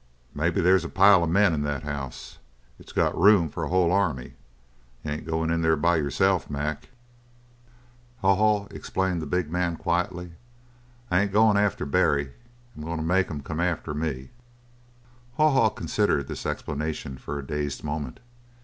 "Maybe there's a pile of men in that house. It's got room for a whole army. You ain't going in there by yourself, Mac?" "Haw Haw," explained the big man quietly, "I ain't going after Barry. I'm going to make him come after me." Haw Haw considered this explanation for a dazed moment.